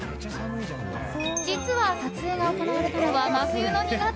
実は、撮影が行われたのは真冬の２月。